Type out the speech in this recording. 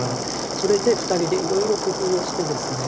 それで２人でいろいろ工夫をしてですね